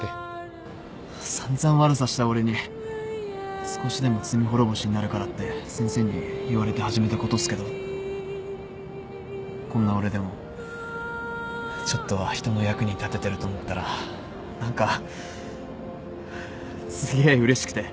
散々悪さした俺に少しでも罪滅ぼしになるからって先生に言われて始めたことっすけどこんな俺でもちょっとは人の役に立ててると思ったら何かすげえうれしくて